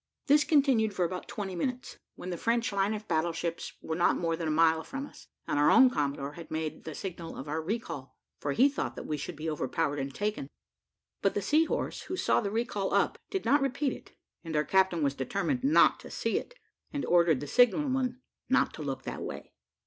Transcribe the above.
This continued for about twenty minutes, when the French line of battle ships were not more than a mile from us, and our own commodore had made the signal of our recall, for he thought that we should be overpowered and taken. But the Sea horse, who saw the recall up, did not repeat it, and our captain was determined not to see it, and ordered the signal man not to look that way.